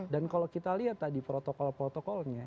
dan kalau kita lihat tadi protokol protokolnya